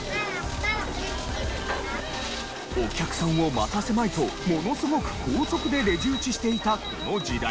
お客さんを待たせまいとものすごく高速でレジ打ちしていたこの時代。